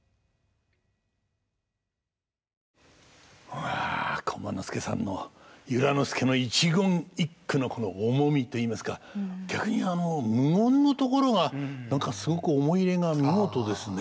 うわ駒之助さんの由良之助の一言一句の重みといいますか逆にあの無音のところが何かすごく思い入れが見事ですね。